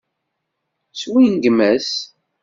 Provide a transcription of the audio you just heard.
Swingem-as.